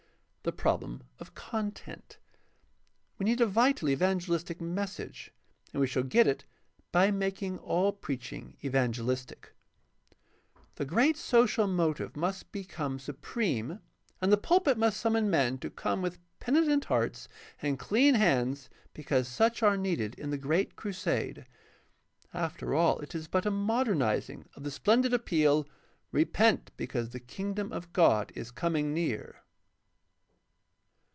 The problem of content. — We need a vital evangelistic message, and we shall get it by making all preaching evangelis tic. The great social motive must become supreme and the pulpit must summon men to come with penitent hearts and clean hands because such are needed in the great crusade. After all it is but a modernizing of the splendid appeal, "Repent because the Kingdom of God is coming near."